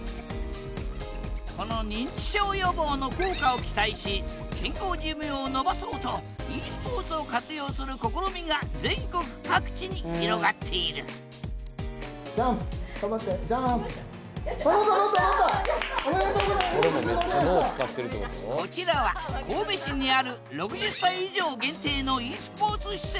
この認知症予防の効果を期待し健康寿命をのばそうとｅスポーツを活用する試みが全国各地に広がっているこちらは神戸市にある６０歳以上限定のｅスポーツ施設